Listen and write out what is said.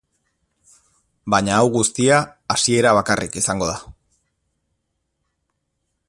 Baina hau guztia hasiera bakarrik izango da.